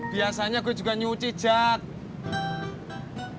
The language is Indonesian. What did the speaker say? biasanya gue juga nyuci jat